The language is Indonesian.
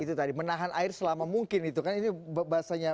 itu tadi menahan air selama mungkin itu kan ini bahasanya